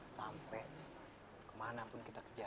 sampai kemana pun kita kejar